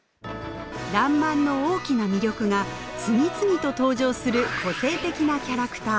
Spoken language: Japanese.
「らんまん」の大きな魅力が次々と登場する個性的なキャラクター。